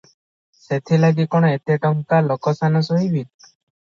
ସେଥିଲାଗି କଣ ଏତେ ଟଙ୍କା ଲୋକସାନ ସହିବି?